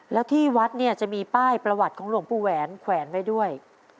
แล้วที่วัดเนี่ยจะมีป้ายประวัติของหลวงปู่แหวนแขวนไว้ด้วย